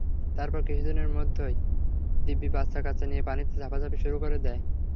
তারপর কিছুদিনের মধ্যেই দিব্যি বাচ্চা কাচ্চা নিয়ে পানিতে ঝাঁপাঝাঁপি শুরু করে দেয়।